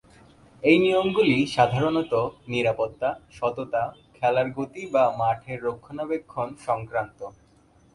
এই নিয়মগুলি সাধারণতঃ নিরাপত্তা, সততা, খেলার গতি বা মাঠের রক্ষণাবেক্ষণ সংক্রান্ত।